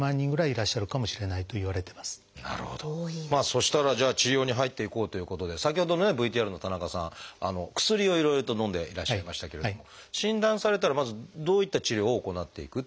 そしたらじゃあ治療に入っていこうということで先ほどのねＶＴＲの田中さん薬をいろいろとのんでいらっしゃいましたけれども診断されたらまずどういった治療を行っていくっていうことなんでしょう？